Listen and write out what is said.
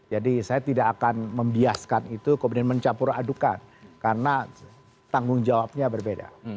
jadi saya tidak akan membiaskan itu kemudian mencampur adukan karena tanggung jawabnya berbeda